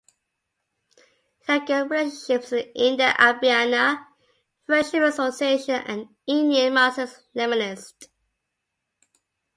He had good relationships with the India-Albania Friendship Association and Indian Marxist-Leninists.